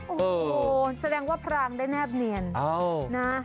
โอ้โหแสดงว่าพรางได้แนบเนียนนะ